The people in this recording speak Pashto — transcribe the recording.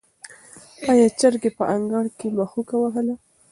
آیا چرګې په انګړ کې مښوکه وهله؟